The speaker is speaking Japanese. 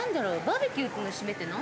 バーベキューの締めって何？